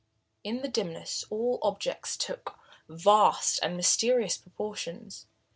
In the dimness, all objects took vast and mysterious proportions.